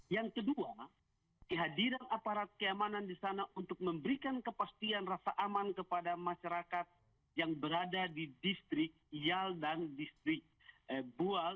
yang kedua kehadiran aparat keamanan di sana untuk memberikan kepastian rasa aman kepada masyarakat yang berada di distrik yal dan distrik bual